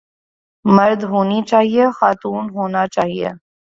مرد ہونی چاہئے خاتون ہونا چاہئے